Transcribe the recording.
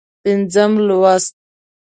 پينځم لوست